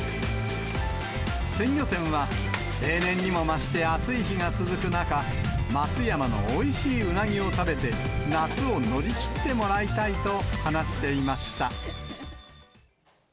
鮮魚店は、例年にも増して暑い日が続く中、松山のおいしいうなぎを食べて、夏を乗り切ってもらいたいと話していました。